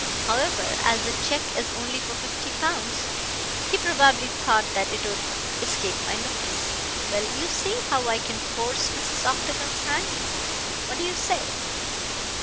However, as the check is only for fifty pounds, he probably thought that it would escape my notice. Well, you see how I can force Mrs. Octagon's hand. What do you say?"